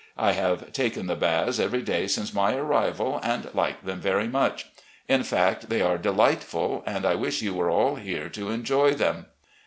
I have taken the baths every day since my arrival, and like them very much. In fact, they are delightful, and I wish you were all here to enjoy them.